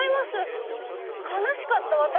悲しかった私。